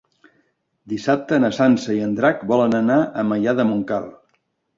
Dissabte na Sança i en Drac volen anar a Maià de Montcal.